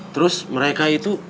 terus mereka itu